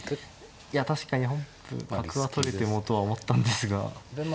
いや確かに本譜角は取れてもとは思ったんですが。